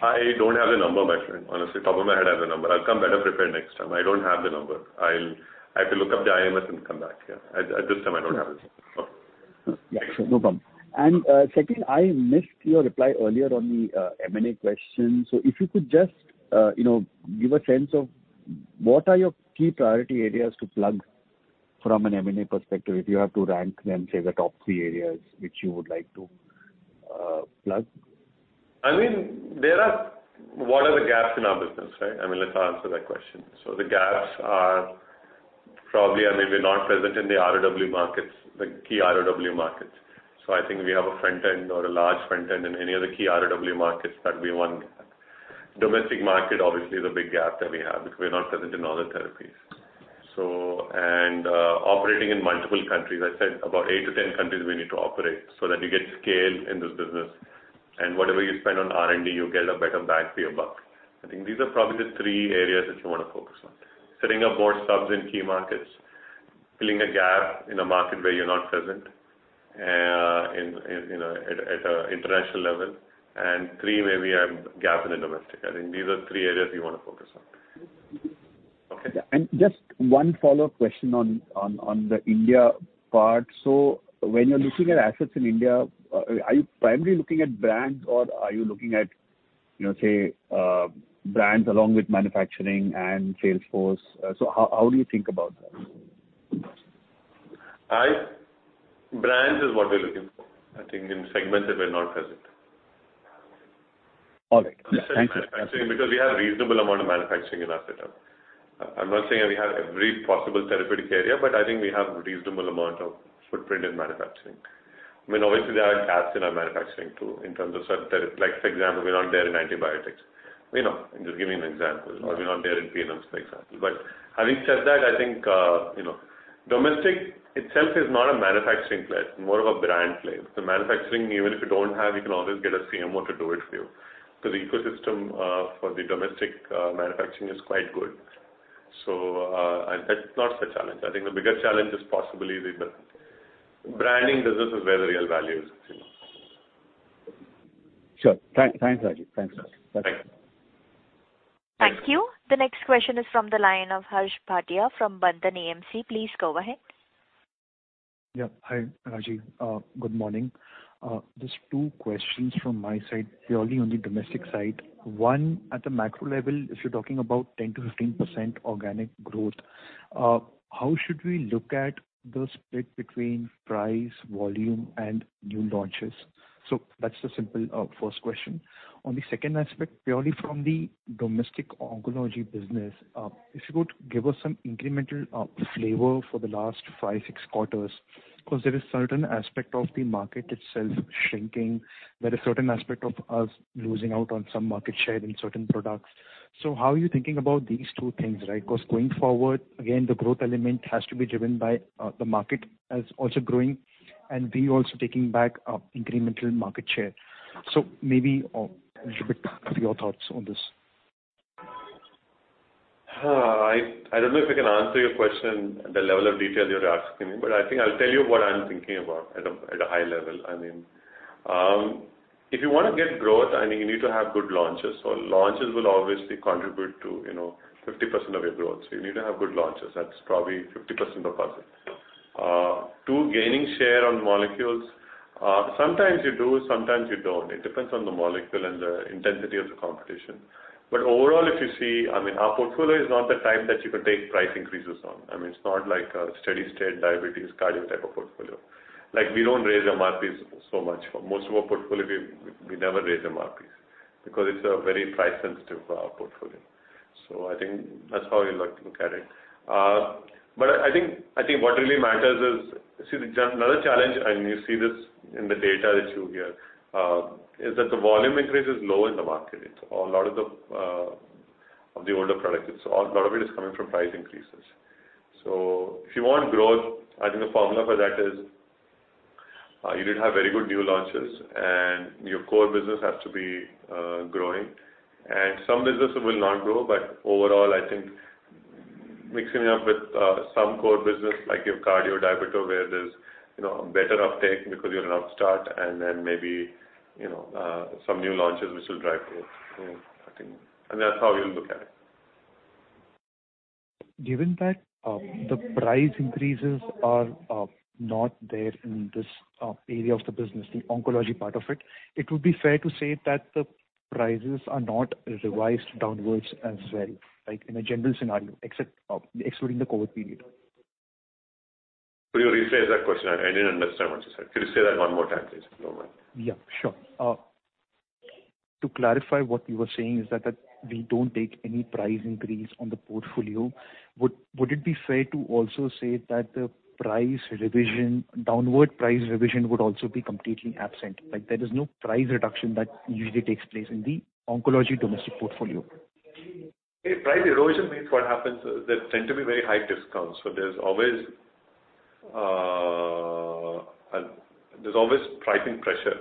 I don't have the number, my friend, honestly, top of my head, I have the number. I'll come better prepared next time. I don't have the number. I'll have to look up the IMS and come back here. At this time, I don't have it. Yeah, sure. No problem. Second, I missed your reply earlier on the M&A question. If you could just, you know, give a sense of what are your key priority areas to plug from an M&A perspective, if you have to rank them, say, the top 3 areas which you would like to plug? I mean, there are... What are the gaps in our business, right? I mean, let's answer that question. The gaps are probably, I mean, we're not present in the ROW markets, the key ROW markets. I think we have a front end or a large front end in any of the key ROW markets that we want. Domestic market, obviously, is a big gap that we have, because we're not present in all the therapies. And operating in multiple countries, I said about 8-10 countries we need to operate so that you get scale in this business. Whatever you spend on R&D, you get a better bang for your buck. I think these are probably the three areas that you want to focus on. Setting up more subs in key markets, filling a gap in a market where you're not present, in, in, you know, at, at a international level, and three, maybe a gap in the domestic. I think these are three areas you want to focus on. Okay? Just one follow-up question on, on, on the India part. So when you're looking at assets in India, are you primarily looking at brands, or are you looking at, you know, say, brands along with manufacturing and sales force? So how, how do you think about that? Brands is what we're looking for, I think in segments that we're not present. All right. Thanks. We have a reasonable amount of manufacturing in asset. I'm not saying we have every possible therapeutic area, but I think we have a reasonable amount of footprint in manufacturing. I mean obviously there are gaps in our manufacturing too in terms of certain therapy. Like for example, we're not there in antibiotics. You know, I'm just giving you an example, or we're not there in PNMs, for example. Having said that, I think, you know, domestic itself is not a manufacturing play, more of a brand play. Manufacturing, even if you don't have, you can always get a CMO to do it for you, because the ecosystem for the domestic manufacturing is quite good. That's not the challenge. I think the biggest challenge is possibly the branding business is where the real value is, you know. Sure. Thank, thanks, Rajeev. Thanks a lot. Thank you. Thank you. The next question is from the line of Harsh Bhatia from Bandhan AMC. Please go ahead. Yeah. Hi, Rajeev. Good morning. Just 2 questions from my side, purely on the domestic side. One, at the macro level, if you're talking about 10%-15% organic growth, how should we look at the split between price, volume, and new launches? That's the simple, first question. On the second aspect, purely from the domestic oncology business, if you could give us some incremental flavor for the last 5, 6 quarters, because there is certain aspect of the market itself shrinking, there is certain aspect of us losing out on some market share in certain products. How are you thinking about these 2 things, right? Because going forward, again, the growth element has to be driven by the market as also growing, and we also taking back incremental market share. Maybe, a little bit of your thoughts on this. I, I don't know if I can answer your question at the level of detail you're asking me, but I think I'll tell you what I'm thinking about at a, at a high level. I mean, if you wanna get growth, I mean, you need to have good launches. Launches will obviously contribute to, you know, 50% of your growth. You need to have good launches. That's probably 50% of profit. 2, gaining share on molecules, sometimes you do, sometimes you don't. It depends on the molecule and the intensity of the competition. Overall, if you see, I mean, our portfolio is not the type that you can take price increases on. I mean, it's not like a steady state, diabetes, cardio type of portfolio. Like, we don't raise our market price so much. For most of our portfolio, we, we never raise the market price, because it's a very price sensitive for our portfolio. I think that's how I like to look at it. I think, I think what really matters is... See, the another challenge, and you see this in the data that you hear, is that the volume increase is low in the market. It's a lot of the of the older products. It's a lot of it is coming from price increases. If you want growth, I think the formula for that is, you did have very good new launches, and your core business has to be growing. Some business will not grow, but overall, I think mixing up with some core business, like your cardio, diabetic, where there's, you know, a better uptake because you're an upstart, and then maybe, you know, some new launches which will drive growth, I think. That's how we'll look at it. Given that the price increases are not there in this area of the business, the oncology part of it, it would be fair to say that the prices are not revised downwards as well, like in a general scenario, except excluding the COVID period? Could you rephrase that question? I, I didn't understand what you said. Could you say that one more time, please? No worry. Yeah, sure. To clarify what you were saying is that, that we don't take any price increase on the portfolio. Would, would it be fair to also say that the price revision, downward price revision, would also be completely absent? Like, there is no price reduction that usually takes place in the oncology domestic portfolio? A price erosion means what happens is there tend to be very high discounts, so there's always pricing pressure.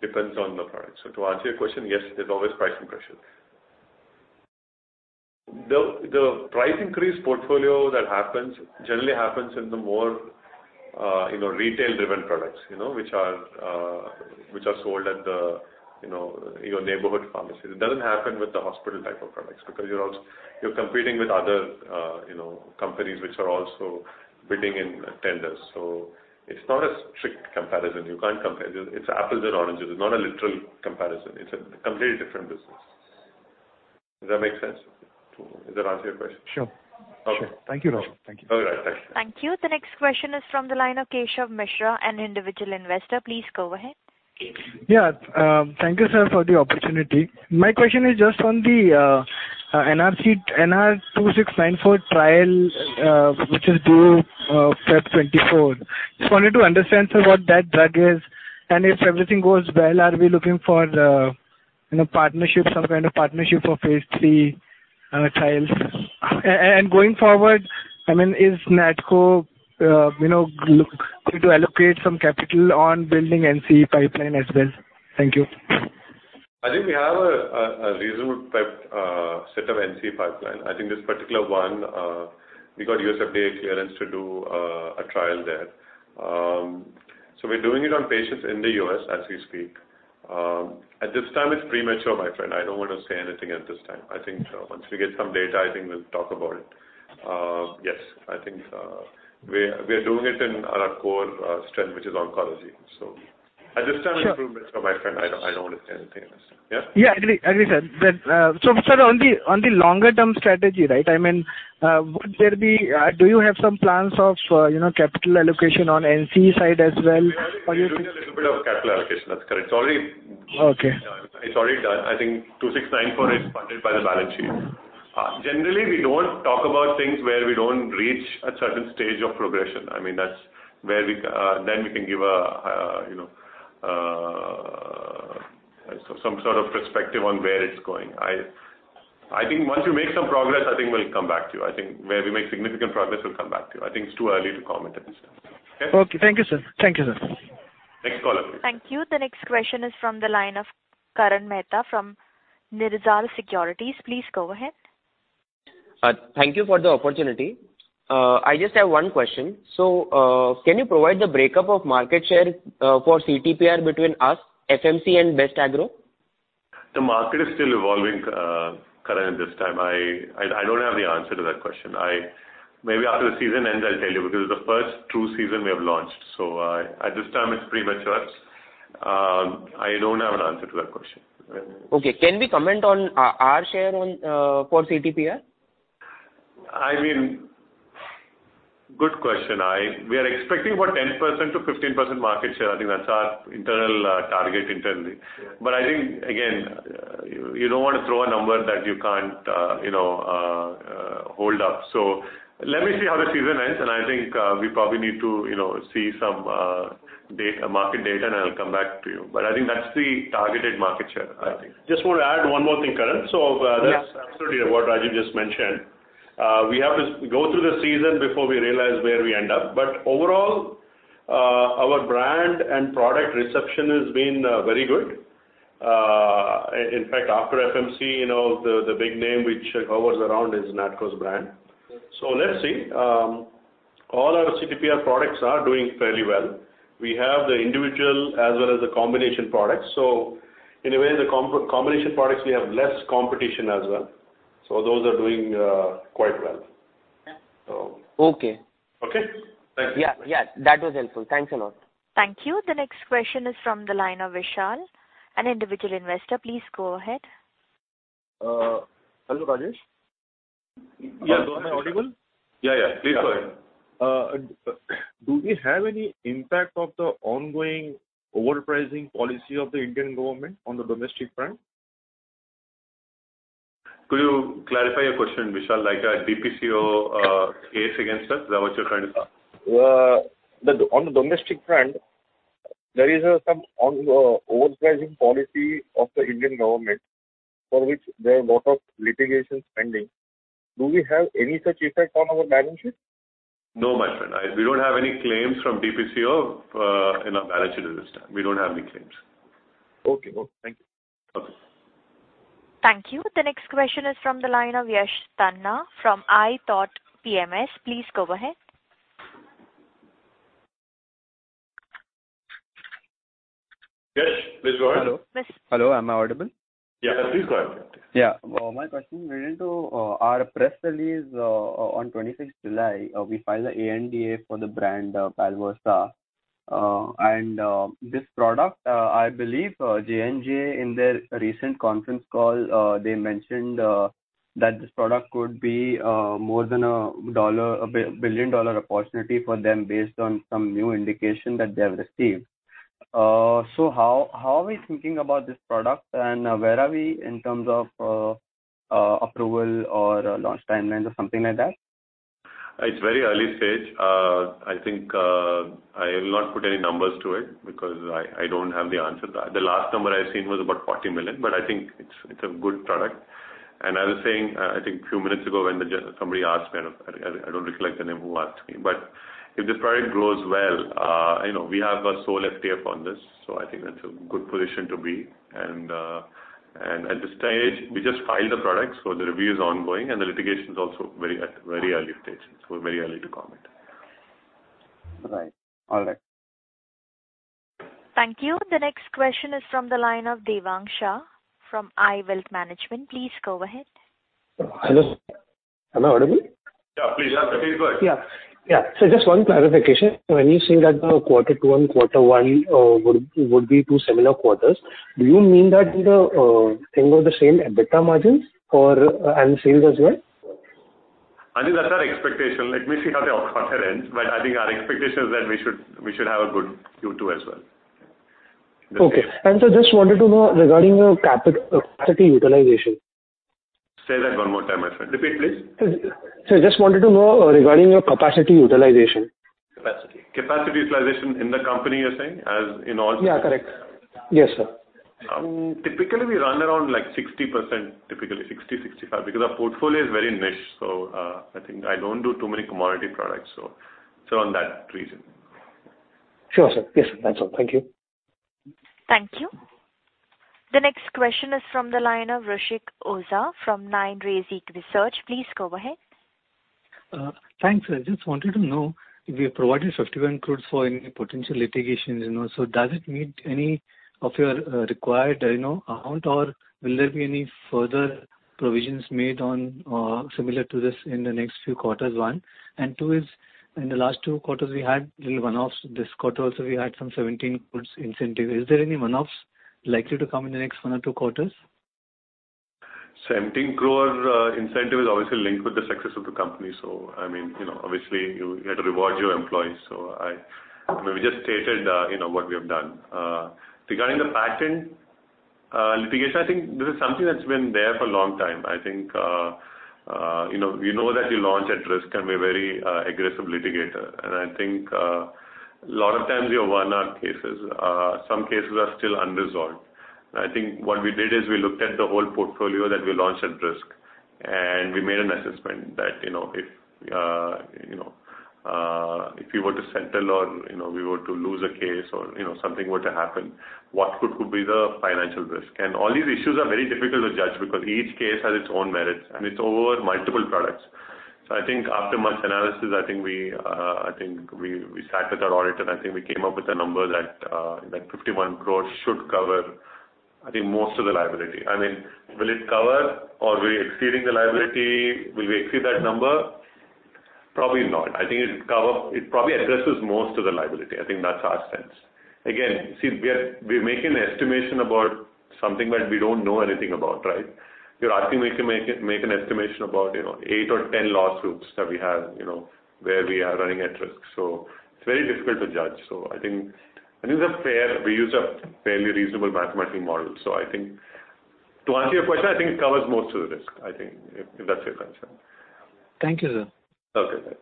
Depends on the product. To answer your question, yes, there's always pricing pressure. The price increase portfolio that happens, generally happens in the more, you know, retail-driven products, you know, which are sold at the, you know, your neighborhood pharmacy. It doesn't happen with the hospital type of products, because you're competing with other, you know, companies which are also bidding in tenders. It's not a strict comparison. You can't compare. It's apples and oranges. It's not a literal comparison. It's a completely different business. Does that make sense? Does that answer your question? Sure. Okay. Thank you, Rajeev. Thank you. All right. Thanks. Thank you. The next question is from the line of Keshav Mishra, an individual investor. Please go ahead. Yeah, thank you, sir, for the opportunity. My question is just on the NRC, NRC 2694 trial, which is due February 2024. Just wanted to understand, sir, what that drug is, and if everything goes well, are we looking for, you know, partnership, some kind of partnership for phase III trials? Going forward, I mean, is NATCO Pharma, you know, to allocate some capital on building NCE pipeline as well? Thank you. I think we have a, a, a reasonable pipe, set of NCE pipeline. I think this particular one, we got USFDA clearance to do a trial there. We're doing it on patients in the US as we speak. At this time, it's premature, my friend. I don't want to say anything at this time. I think, once we get some data, I think we'll talk about it. Yes, I think, we are, we are doing it in our core, strength, which is oncology. At this time- Sure. improvement, my friend, I don't, I don't want to say anything. Yeah? Yeah, I agree, I agree, sir. Sir, on the, on the longer term strategy, right? I mean, would there be, do you have some plans of, you know, capital allocation on NCE side as well? We're doing a little bit of capital allocation. That's correct. It's already- Okay. It's already done. I think two six nine four is funded by the balance sheet. Generally, we don't talk about things where we don't reach a certain stage of progression. I mean, that's where we, then we can give a, you know, some sort of perspective on where it's going. I, I think once you make some progress, I think we'll come back to you. I think where we make significant progress, we'll come back to you. I think it's too early to comment at this time. Okay? Okay. Thank you, sir. Thank you, sir. Next caller, please. Thank you. The next question is from the line of Karan Mehta from Nirmal Bang Securities Please go ahead. Thank you for the opportunity. I just have one question. Can you provide the breakup of market share for CTPR between us, FMC, and Best Agro? The market is still evolving, Karan, at this time. I don't have the answer to that question. I. Maybe after the season ends, I'll tell you, because it's the first true season we have launched. At this time, it's premature. I don't have an answer to that question. Okay. Can we comment on our share on for Chlorantraniliprole? I mean, good question. I we are expecting about 10%-15% market share. I think that's our internal target internally. I think, again, you don't want to throw a number that you can't, you know, hold up. Let me see how the season ends, and I think, we probably need to, you know, see some data, market data, and I'll come back to you. I think that's the targeted market share, I think. Just want to add one more thing, Karan. Yeah. That's absolutely what Rajeev just mentioned. We have to go through the season before we realize where we end up. Overall-... our brand and product reception has been very good. In fact, after FMC, you know, the, the big name which hovers around is NATCO's brand. Let's see. All our CTPR products are doing fairly well. We have the individual as well as the combination products. In a way, the combination products, we have less competition as well, so those are doing quite well. Okay. Okay? Thank you. Yeah, yeah, that was helpful. Thanks a lot. Thank you. The next question is from the line of Vishal, an individual investor. Please go ahead. Hello, Rajesh? Yes. Am I audible? Yeah, yeah. Please go ahead. Do we have any impact of the ongoing overpricing policy of the Indian government on the domestic front? Could you clarify your question, Vishal, like a DPCO case against us? Is that what you're trying to say? The, on the domestic front, there is, some on, overpricing policy of the Indian government, for which there are a lot of litigations pending. Do we have any such effect on our balance sheet? No, my friend. We don't have any claims from DPCO in our balance sheet at this time. We don't have any claims. Okay, thank you. Okay. Thank you. The next question is from the line of Yash Tanna from iThought PMS. Please go ahead. Yash, please go ahead. Hello. Yes. Hello, am I audible? Yeah, please go ahead. Yeah. My question relating to our press release on 26th July, we filed an ANDA for the brand, Palforzia. This product, I believe, J&J, in their recent conference call, they mentioned that this product could be more than a $1 billion opportunity for them based on some new indication that they have received. How, how are we thinking about this product, and where are we in terms of approval or launch timelines or something like that? It's very early stage. I think, I will not put any numbers to it because I, I don't have the answer to that. The last number I seen was about $40 million, but I think it's, it's a good product. As I was saying, I think a few minutes ago when the, somebody asked me, I, I don't recall the name who asked me, but if this product grows well, you know, we have a sole FTF on this, so I think that's a good position to be. At this stage, we just filed the product, so the review is ongoing, and the litigation is also very at, very early stage. Very early to comment. Right. All right. Thank you. The next question is from the line of Devang Shah from iWealth Management. Please go ahead. Hello. Am I audible? Yeah, please. Yeah, please go ahead. Yeah. Yeah. Just one clarification. When you say that the quarter two and quarter one would be two similar quarters, do you mean that in terms of the same EBITDA margins or, and sales as well? I think that's our expectation. Let me see how the quarter ends, but I think our expectation is that we should, we should have a good Q2 as well. Okay. Just wanted to know regarding your capacity utilization. Say that one more time, my friend. Repeat, please. Sir, just wanted to know regarding your capacity utilization. Capacity. Capacity utilization in the company, you're saying, as in all? Yeah, correct. Yes, sir. Typically, we run around, like, 60%, typically 60%-65%, because our portfolio is very niche. I think I don't do too many commodity products, so, so on that reason. Sure, sir. Yes, that's all. Thank you. Thank you. The next question is from the line of Roshik Oza from Nine Research. Please go ahead. Thanks. I just wanted to know if you have provided INR 51 crore for any potential litigations, you know, does it meet any of your required, you know, amount, or will there be any further provisions made on similar to this in the next few quarters, one? Two is, in the last 2 quarters, we had little one-offs. This quarter also, we had some 17 crore incentive. Is there any one-offs likely to come in the next 1 or 2 quarters? 17 crore incentive is obviously linked with the success of the company. I mean, you know, obviously you, you have to reward your employees. I, we just stated, you know, what we have done. Regarding the patent litigation, I think this is something that's been there for a long time. I think, you know, we know that the launch at risk can be very aggressive litigator. I think, a lot of times we have won our cases. Some cases are still unresolved. I think what we did is we looked at the whole portfolio that we launched at risk, and we made an assessment that, you know, if, you know, if we were to settle or, you know, we were to lose a case or, you know, something were to happen, what could be the financial risk? All these issues are very difficult to judge because each case has its own merits, and it's over multiple products. I think after much analysis, I think we, I think we, we sat with our audit, and I think we came up with a number that, 51 crore should cover, I think, most of the liability. I mean, will it cover or are we exceeding the liability? Will we exceed that number? Probably not. I think it probably addresses most of the liability. I think that's our sense. Again, see, we are, we're making an estimation about something that we don't know anything about, right? You're asking me to make a, make an estimation about, you know, 8 or 10 lawsuits that we have, you know, where we are running at risk. It's very difficult to judge. I think, I think it's fair, we use a fairly reasonable mathematical model. I think, to answer your question, I think it covers most of the risk, I think, if, if that's your concern. Thank you, sir. Okay, bye.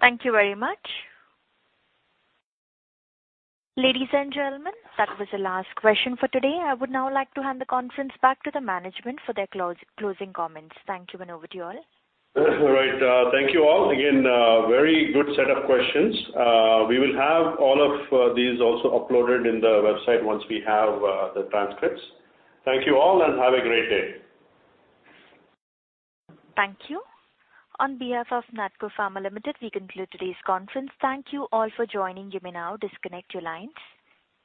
Thank you very much. Ladies and gentlemen, that was the last question for today. I would now like to hand the conference back to the management for their closing comments. Thank you. Over to you all. All right, thank you all. Again, very good set of questions. We will have all of these also uploaded in the website once we have the transcripts. Thank you all, have a great day. Thank you. On behalf of Natco Pharma Limited, we conclude today's conference. Thank you all for joining. You may now disconnect your lines.